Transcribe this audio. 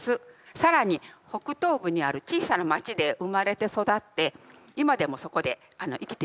更に北東部にある小さな町で生まれて育って今でもそこで生きています。